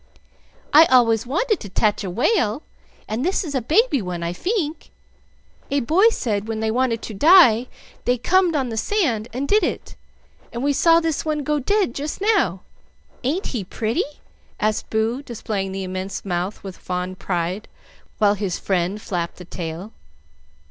"I always wanted to tatch a whale, and this is a baby one, I fink. A boy said, when they wanted to die they comed on the sand and did it, and we saw this one go dead just now. Ain't he pretty?" asked Boo, displaying the immense mouth with fond pride, while his friend flapped the tail.